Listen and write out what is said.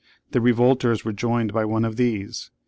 The revolters were joined by one of these.